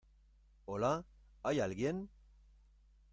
¿ hola? ¿ hay alguien ?